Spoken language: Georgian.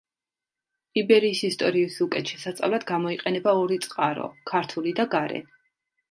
იბერიის ისტორიის უკეთ შესასწავლად გამოიყენება ორი წყარო ქართული და გარე.